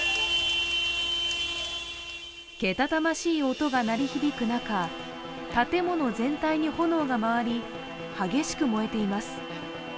けたたましい音が鳴り響く中、建物全体に炎が回り、激しく燃えています。